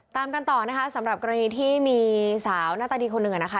ตามกันต่อนะคะสำหรับกรณีที่มีสาวหน้าตาดีคนหนึ่งนะคะ